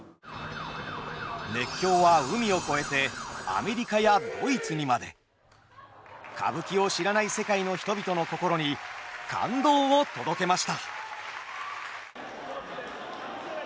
熱狂は海を越えてアメリカやドイツにまで。歌舞伎を知らない世界の人々の心に感動を届けました。